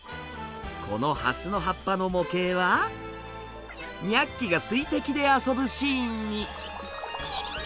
このハスの葉っぱの模型はニャッキが水滴で遊ぶシーンに。